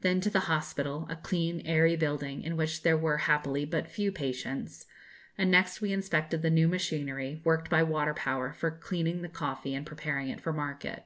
Then to the hospital, a clean, airy building, in which there were happily but few patients, and next we inspected the new machinery, worked by water power, for cleaning the coffee and preparing it for market.